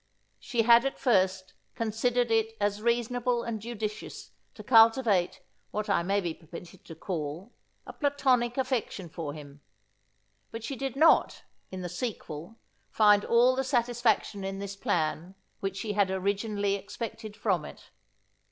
She had, at first, considered it as reasonable and judicious, to cultivate what I may be permitted to call, a Platonic affection for him; but she did not, in the sequel, find all the satisfaction in this plan, which she had originally expected from it.